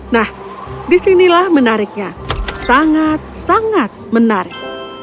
nah disinilah menariknya sangat sangat menarik